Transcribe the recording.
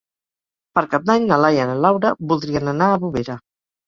Per Cap d'Any na Laia i na Laura voldrien anar a Bovera.